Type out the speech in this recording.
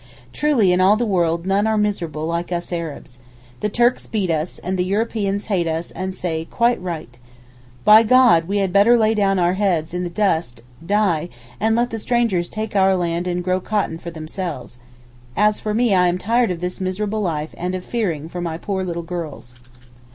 Truly in all the world none are miserable like us Arabs. The Turks beat us, and the Europeans hate us and say quite right. By God, we had better lay down our heads in the dust (die) and let the strangers take our land and grow cotton for themselves. As for me I am tired of this miserable life and of fearing for my poor little girls.